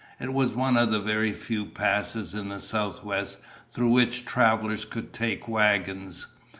It was one of the very few passes in the Southwest through which travelers could take wagons.